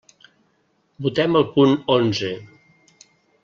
Votem el punt onze.